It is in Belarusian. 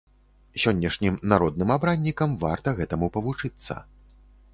Сённяшнім народным абраннікам варта гэтаму павучыцца.